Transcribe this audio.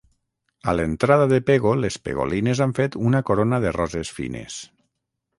A l'entrada de Pego les pegolines han fet una corona de roses fines.